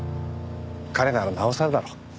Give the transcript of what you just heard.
彼ならなおさらだろう。